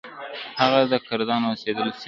هغه د کردانو د اوسیدلو سیمه ده.